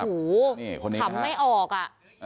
ฮู้หิมไม่อกอะ